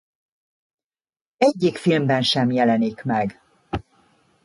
Egyik filmben sem jelenik meg.